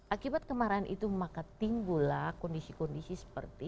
akibat kemarahan itu maka timbul lah kondisi kondisi seperti